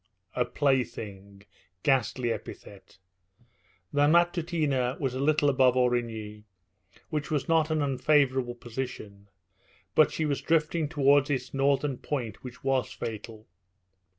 A plaything ghastly epithet! The Matutina was a little above Aurigny, which was not an unfavourable position; but she was drifting towards its northern point, which was fatal.